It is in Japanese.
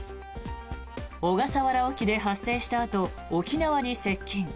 小笠原沖で発生したあと沖縄に接近。